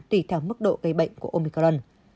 tùy theo mức độ gây bệnh của omicron